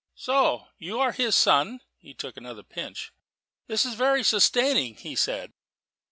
So you are his son." He took another pinch. "It is very sustaining," he said.